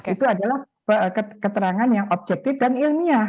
itu adalah keterangan yang objektif dan ilmiah